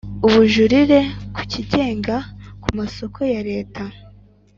Ubujurire Kigenga ku byamasoko ya Leta